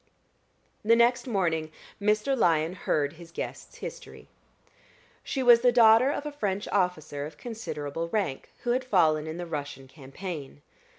The next morning Mr. Lyon heard his guest's history. She was the daughter of a French officer of considerable rank, who had fallen in the Russian campaign.